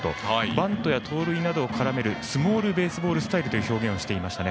バントや盗塁などを絡めるスモールベースボールタイプという表現をしていましたね。